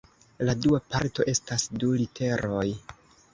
La dua parto estas du literoj.